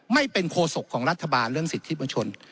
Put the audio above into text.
ไม่เป็นโคศกของรัฐบาลเรื่องสิทธิประชน